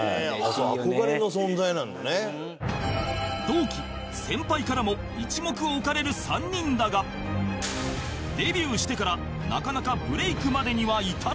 同期先輩からも一目置かれる３人だがデビューしてからなかなかブレイクまでには至らず